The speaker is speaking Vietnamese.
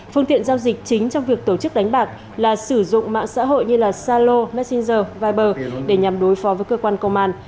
phương tiện giao dịch chính trong việc tổ chức đánh bạc là sử dụng mạng xã hội như salo messenger viber để nhằm đối phó với cơ quan công an